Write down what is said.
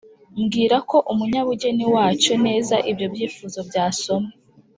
bwira ko umunyabugeni wacyo neza ibyo byifuzo byasomwe